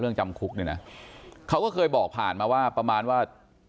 จำคุกเนี่ยนะเขาก็เคยบอกผ่านมาว่าประมาณว่า